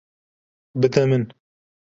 Bide min.